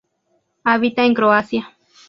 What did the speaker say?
Habita en Croacia.